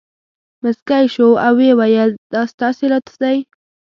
مسکی شو او ویې ویل دا ستاسې لطف دی.